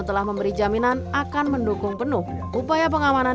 telah memberi jaminan akan mendukung penuh upaya pengamanan